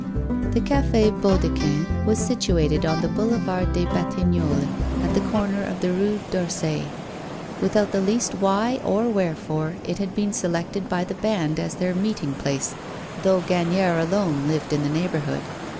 The Café Baudequin was situated on the Boulevard des Batignolles, at the corner of the Rue Darcet. Without the least why or wherefore, it had been selected by the band as their meeting place, though Gagnière alone lived in the neighbourhood.